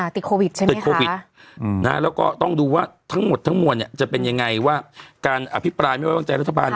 ติดโควิดใช่ไหมติดโควิดแล้วก็ต้องดูว่าทั้งหมดทั้งมวลเนี่ยจะเป็นยังไงว่าการอภิปรายไม่ไว้วางใจรัฐบาล